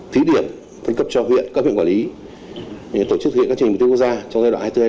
thí điểm phân cấp cho huyện các huyện quản lý tổ chức huyện các chương trình mục tiêu quốc gia trong giai đoạn hai mươi bốn hai mươi năm